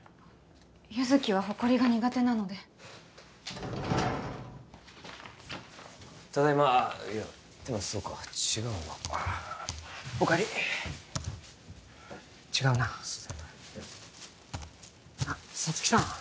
優月はホコリが苦手なのでただいまいやってのはそうか違うなおかえり違うなそうだよな沙月さん